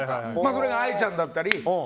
これがＡＩちゃんだったり。